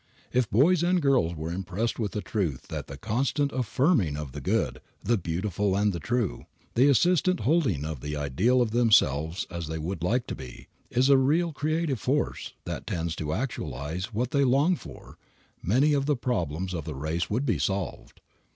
If boys and girls were impressed with the truth that the constant affirming of the good, the beautiful and the true, the insistent holding of the ideal of themselves as they would like to be, is a real creative force that tends to actualize what they long for many of the problems of the race would be solved.